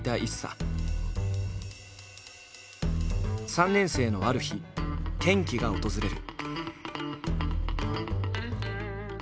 ３年生のある日転機が訪れる。